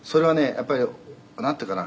やっぱりなんていうかな？